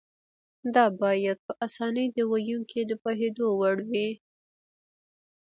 دا باید په اسانۍ د ویونکي د پوهېدو وړ وي.